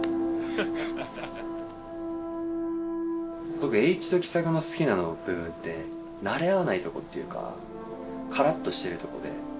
僕栄一と喜作の好きな部分ってなれ合わないとこっていうかカラッとしてるとこで。